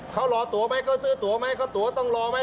เขารอตัวไหมเขาซื้อตัวไหมเขาตัวต้องรอไหม